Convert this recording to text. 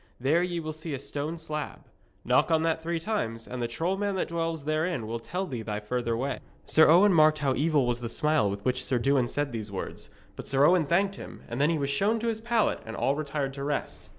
There ye will see a stone slab. Knock on that three times, and the troll man that dwells therein will tell thee thy further way.' Sir Owen marked how evil was the smile with which Sir Dewin said these words; but Sir Owen thanked him, and then he was shown to his pallet and all retired to rest.